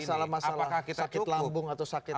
masalah masalah sakit lambung atau sakit